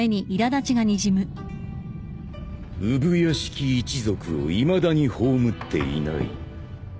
産屋敷一族をいまだに葬っていない。